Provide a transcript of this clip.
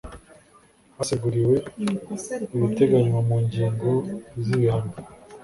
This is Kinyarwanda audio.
Haseguriwe ibiteganywa mu ngingo z ibihano